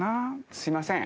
すいません。